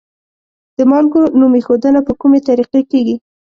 د مالګو نوم ایښودنه په کومې طریقې کیږي؟